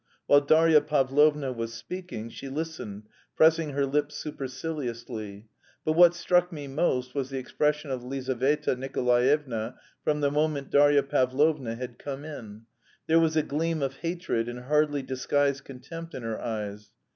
While Darya Pavlovna was speaking, she listened, pressing her lips superciliously. But what struck me most was the expression of Lizaveta Nikolaevna from the moment Darya Pavlovna had come in. There was a gleam of hatred and hardly disguised contempt in her eyes.